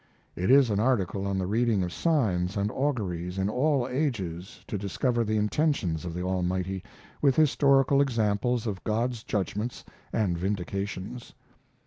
It is an article on the reading of signs and auguries in all ages to discover the intentions of the Almighty, with historical examples of God's judgments and vindications.